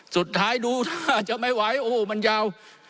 สุดท้ายดูท่าจะไม่ไหวโอ้โหมันยาว